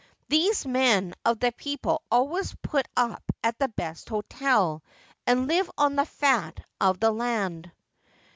These men. of the people always put up at the best hotel, and live on the fat of the land.'